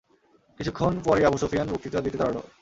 কিছুক্ষণ পরই Abu Sufyan বক্তৃতা দিতে দাঁড়াল।